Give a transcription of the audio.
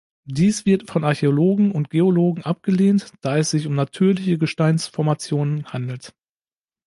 Dies wird von Archäologen und Geologen abgelehnt, da es sich um natürliche Gesteinsformationen handelt.